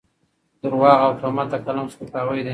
درواغ او تهمت د قلم سپکاوی دی.